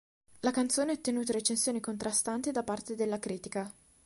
La canzone ha ottenuto recensioni contrastanti da parte della critica.